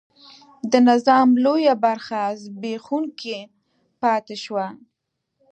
د نظام لویه برخه زبېښونکې پاتې شوه.